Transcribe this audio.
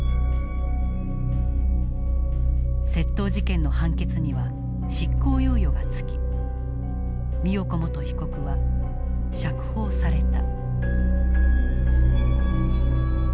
窃盗事件の判決には執行猶予がつき美代子元被告は釈放された。